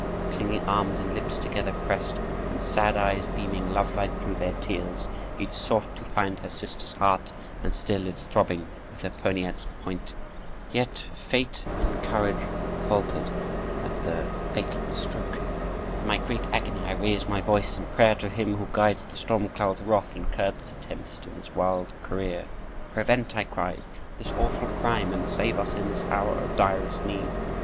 With clinging arms and lips together pressed, and sad eyes beaming love light through their tears, each sought to find her sister's heart and still its throbbing with her poniard's point. Yet strength and courage faltered at the fatal stroke. In my great agony I raised my voice in prayer to Him who guides the storm clouds' wrath and curbs the tempest in its wild career. 'Prevent,' I cried, 'this awful crime, and save us in this hour of direst need!